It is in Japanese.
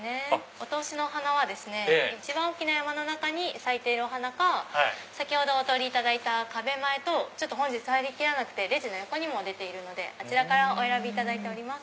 お通しのお花はですね一番大きな山に咲いてるお花か先ほどお通りいただいた壁前と本日入りきらなくてレジの横にも出ているのであちらからお選びいただいております。